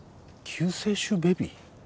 救世主ベビー？